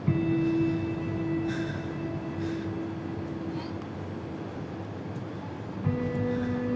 えっ？